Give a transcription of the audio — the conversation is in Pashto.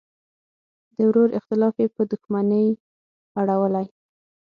د ورور اختلاف یې په دوښمنۍ اړولی.